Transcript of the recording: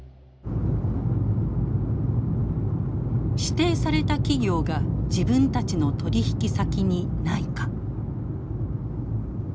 指定された企業が自分たちの取引先にないか。